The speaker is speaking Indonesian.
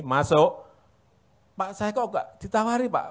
masuk pak saya kok nggak ditawari pak